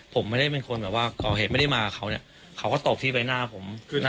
ผมไม่ได้เป็นคนแบบว่าก่อเหตุไม่ได้มากับเขาเนี่ยเขาก็ตกที่ใบหน้าผม